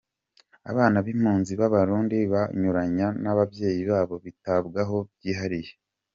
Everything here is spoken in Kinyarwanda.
Abana b’impunzi z’Abarundi baburanye n’ababyeyi babo bitabwaho byihariye.